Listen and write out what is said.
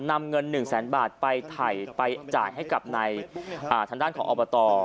นำเงิน๑๐๐๐๐๐บาทไปขายให้กับนายทั้งด้านของอบต